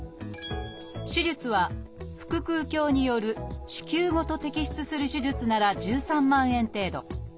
手術は腹腔鏡による子宮ごと摘出する手術なら１３万円程度。